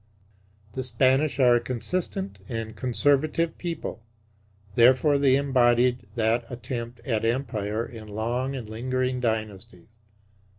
The Spanish are a consistent and conservative people; therefore they embodied that attempt at Empire in long and lingering dynasties.